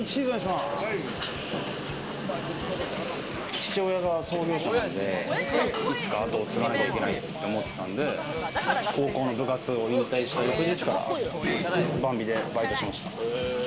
父親が創業者なんで、いつか後を継がなきゃいけないって思ってたんで、高校の部活を引退した翌日から、バンビでバイトをしてました。